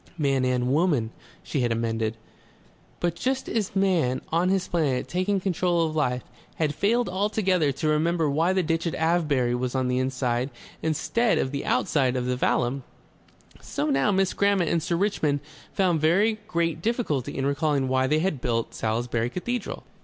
"Man and woman," she had amended. But just as man on his planet taking control of life had failed altogether to remember why the ditch at Avebury was on the inside instead of the outside of the vallum, so now Miss Grammont and Sir Richmond found very great difficulty in recalling why they had built Salisbury Cathedral.